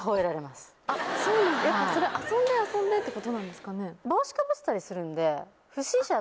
それ遊んで遊んでってことなんですかね？